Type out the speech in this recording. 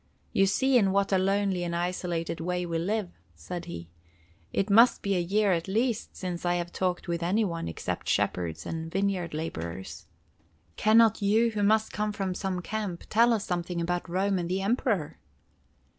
"You see in what a lonely and isolated way we live," said he. "It must be a year at least since I have talked with any one except shepherds and vineyard laborers. Can not you, who must come from some camp, tell us something about Rome and the Emperor?"